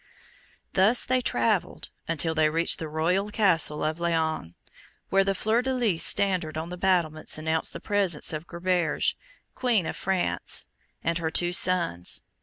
Thus they travelled until they reached the royal Castle of Laon, where the Fleur de Lys standard on the battlements announced the presence of Gerberge, Queen of France, and her two sons.